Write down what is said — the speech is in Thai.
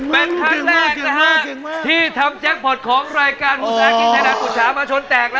เป็นครั้งแรกที่ทำแจ็คพอร์ตของรายการภูตรศาสตร์อินทรีย์ธนาคตุชามาชนแตก